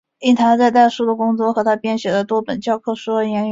因他在代数的工作和他编写的多本教科书而闻名。